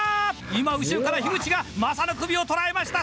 今、後ろから樋口が、マサの首を捉えました。